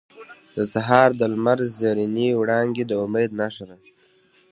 • د سهار د لمر زرینې وړانګې د امید نښه ده.